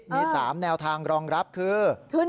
มี๓แนวทางรองรับคือ